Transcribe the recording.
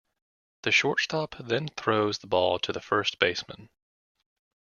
The shortstop then throws the ball to the first baseman.